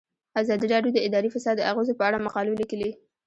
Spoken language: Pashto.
ازادي راډیو د اداري فساد د اغیزو په اړه مقالو لیکلي.